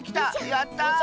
やった！